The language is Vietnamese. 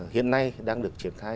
hiện nay đang được triển khai